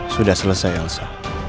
sudah selesai elsa